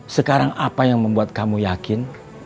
sekarang apa yang membuat kamu yakin